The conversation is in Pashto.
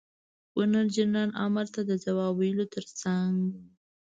ګورنر جنرال امر ته د جواب ویلو تر څنګ.